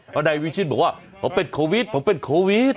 เพราะนายวิชิตบอกว่าผมเป็นโควิดผมเป็นโควิด